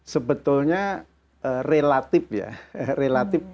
sebetulnya relatif ya relatif